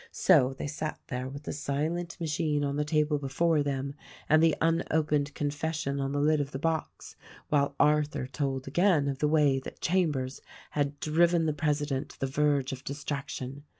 So they sat there with the silent machine on the table before them and the unopened confession on the lid of the box while Arthur told again of the way that Chambers had driven the president to the verge of distrac tion.